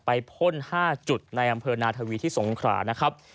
พ่น๕จุดในอำเภอนาทวีที่สงขรานะครับ